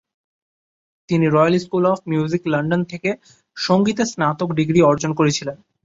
তিনি Royal School of Music London থেকে সংগীতে স্নাতক ডিগ্রি অর্জন করেছিলেন।